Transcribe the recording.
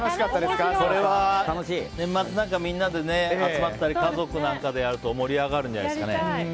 これは年末みんなで集まったり家族なんかでやると盛り上がるんじゃないですかね。